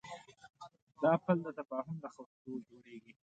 دا پُل د تفاهم له خښتو جوړېږي.